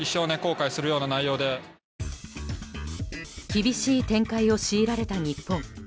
厳しい展開を強いられた日本。